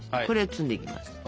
これを包んでいきます。